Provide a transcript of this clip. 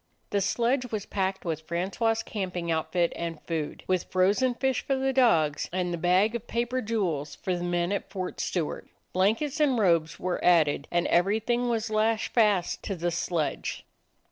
The sledge was packed with Francois's camping outfit and food, with frozen fish for 35 DOG HEROES OF MANY LANDS the dogs, and the bag of paper jewels for the men at Fort Stewart. Blankets and robes were added, and everything was lashed fast to the sledge.